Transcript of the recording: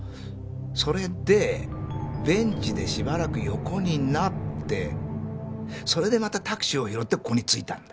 それでベンチでしばらく横になってそれでまたタクシーを拾ってここに着いたんだ。